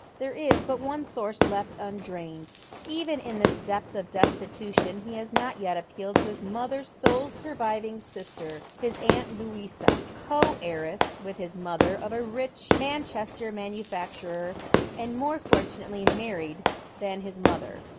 There is but one source left undrained. Even in this depth of destitution he has not yet appealed to his mother's sole surviving eister, his aunt Louisa, co heiress with his mother of a rich Man chester manufacturer, and more fortunately married than liis mother.